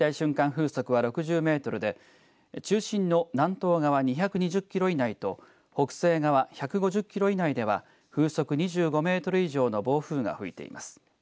風速は６０メートルで中心の南東側２２０キロ以内と北西側１５０キロ以内では風速２５メートル以上の暴風が吹いています。